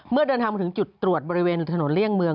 เดินทางมาถึงจุดตรวจบริเวณถนนเลี่ยงเมือง